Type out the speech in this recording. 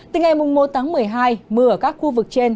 từ ngày một tháng một mươi hai mưa ở các khu vực trên